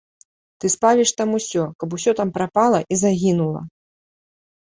Ты спаліш там усё, каб усё там прапала і загінула.